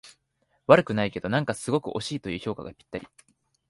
悪くないけど、なんかすごく惜しいという評価がぴったり